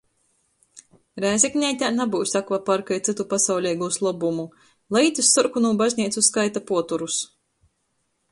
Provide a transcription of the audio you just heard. Rēzekneitē nabyus akvaparka i cytu pasauleigūs lobumu. Lai īt iz Sorkonū bazneicu skaita puoterus!